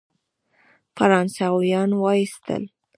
فرانسویان وایستل.